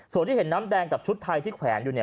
ส่วนที่เห็นน้ำแดงกับชุดไทยที่แขวนอยู่เนี่ย